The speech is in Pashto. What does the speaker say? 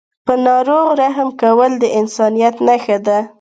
په ناروغ رحم کول د انسانیت نښه ده.